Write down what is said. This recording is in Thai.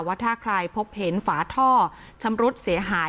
ว่าถ้าใครพบเห็นฝาท่อชำรุดเสียหาย